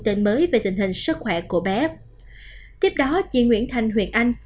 tin mới về tình hình sức khỏe của bé tiếp đó chị nguyễn thành huyền anh